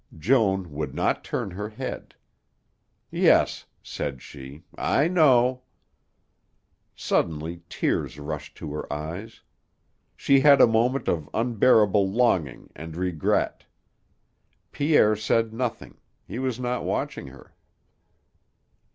Joan would not turn her head. "Yes," said she, "I know." Suddenly tears rushed to her eyes. She had a moment of unbearable longing and regret. Pierre said nothing; he was not watching her.